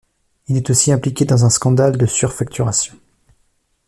Il est aussi impliqué dans un scandale de surfacturation.